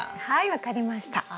はい分かりました。